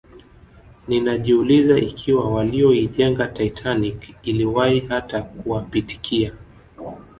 Ninajiuliza ikiwa walioijenga Titanic iliwahi hata kuwapitikia